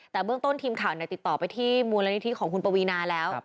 แต่เบื้องต้นทีมข่าวติดต่อไปที่มูลนิธิของคุณปวีนาแล้ว